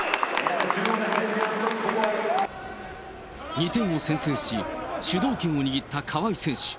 ２点を先制し、主導権を握った川井選手。